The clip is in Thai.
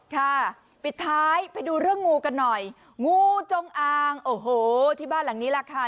ค่ะปิดท้ายไปดูเรื่องงูกันหน่อยงูจงอางโอ้โหที่บ้านหลังนี้แหละค่ะ